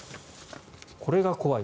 これが怖い。